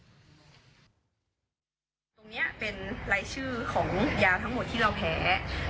ตรงนี้เป็นรายชื่อของยาทั้งหมดที่เราแพ้